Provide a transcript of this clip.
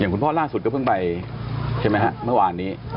คุณพ่อล่าสุดก็เพิ่งไปใช่ไหมฮะเมื่อวานนี้